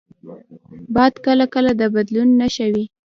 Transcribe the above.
باد کله کله د بدلون نښه وي